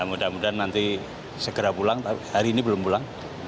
mudah mudahan nanti segera pulang tapi hari ini belum pulang